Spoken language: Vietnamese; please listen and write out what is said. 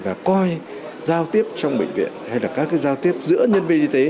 và coi giao tiếp trong bệnh viện hay là các giao tiếp giữa nhân viên y tế